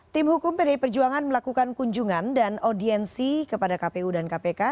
tim hukum pdi perjuangan melakukan kunjungan dan audiensi kepada kpu dan kpk